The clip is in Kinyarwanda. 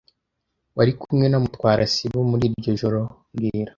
Wari kumwe na Mutwara sibo muri iryo joro mbwira